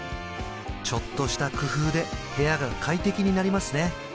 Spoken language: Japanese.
ちょっとした工夫で部屋が快適になりますね